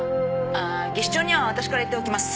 あ技師長には私から言っておきます。